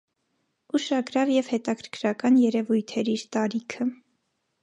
Ուշագրաւ եւ հետաքրքրական երեւոյթ էր իր տարիքը։